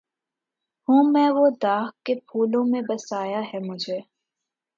ہوں میں وہ داغ کہ پھولوں میں بسایا ہے مجھے